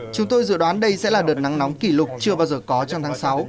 chúng tôi dự đoán đây sẽ là đợt nắng nóng kỷ lục chưa bao giờ có trong tháng sáu